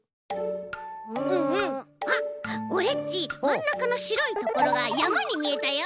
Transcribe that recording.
うんあっオレっちまんなかのしろいところがやまにみえたよ。